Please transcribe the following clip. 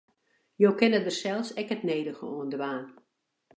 Jo kinne dêr sels ek it nedige oan dwaan.